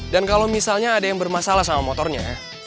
dan kalau misalnya ada yang bermasalah sama motornya